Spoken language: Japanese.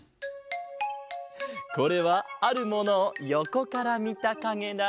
これはあるものをよこからみたかげだ。